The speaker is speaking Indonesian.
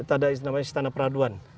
ada istana peraduan